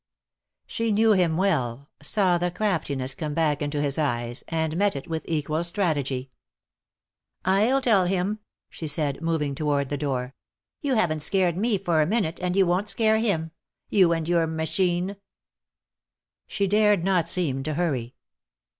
She knew him well, saw the craftiness come back into his eyes, and met it with equal strategy. "I'll tell him," she said, moving toward the door. "You haven't scared me for a minute and you won't scare him. You and your machine!" She dared not seem to hurry.